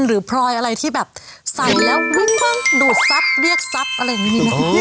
หรือพรอยอะไรที่แบบใส่แล้วไม่ค่อยดูดซับเรียกซับอะไรแบบนี้